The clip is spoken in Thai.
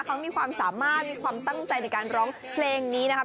เขามีความสามารถมีความตั้งใจในการร้องเพลงนี้นะครับ